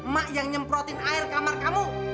mak yang nyemprotin air kamar kamu